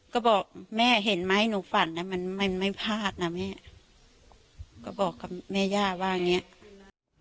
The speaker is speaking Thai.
ก็บอกแม่เห็นไหมหนูฟันแล้วมันไม่พลาดนะแม่ก็บอกแม่ย่าว่างี้